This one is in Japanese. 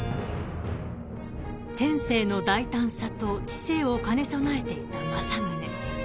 ［天性の大胆さと知性を兼ね備えていた政宗］